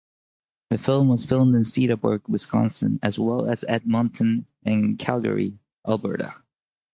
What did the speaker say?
The film was filmed in Cedarburg, Wisconsin, as well as Edmonton and Calgary, Alberta.